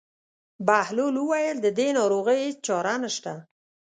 بهلول وویل: د دې ناروغۍ هېڅ چاره نشته.